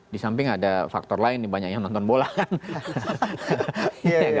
di samping ada faktor lain nih banyak yang nonton bola kan